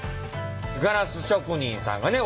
ガラス職人さんがね